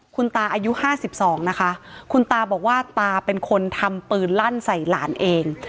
คุณตาอายุ๕๒นะคะคุณตาบอกว่าตาเป็นคนทำปืนลั่นใส่หลานเอง